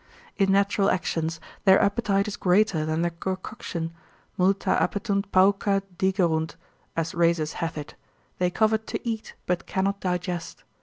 In natural actions their appetite is greater than their concoction, multa appetunt pauca digerunt as Rhasis hath it, they covet to eat, but cannot digest.